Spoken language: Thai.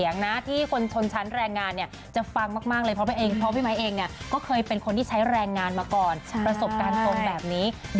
ของคนชวนชั้นแรงงานมากเลยเพราะพี่ไม้เองก็เคยเป็นคนช่วนใช้แรงงานมาก่อน